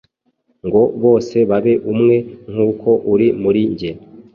Ngo bose babe umwe, nk’uko uri muri jye ,